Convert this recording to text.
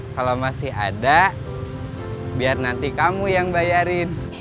kalau masih ada biar nanti kamu yang bayarin